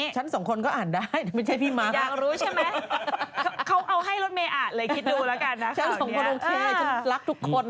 ฉันสองคนโอเครักทุกคน